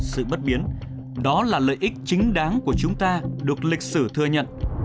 sự bất biến đó là lợi ích chính đáng của chúng ta được lịch sử thừa nhận